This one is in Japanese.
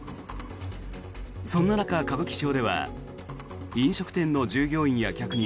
そんな中、歌舞伎町では飲食店の従業員や客に